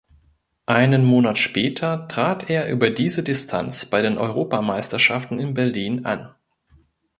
Einen Monat später trat er über diese Distanz bei den Europameisterschaften in Berlin an.